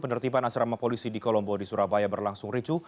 penertiban asrama polisi di kolombo di surabaya berlangsung ricu